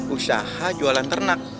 usaha jualan ternak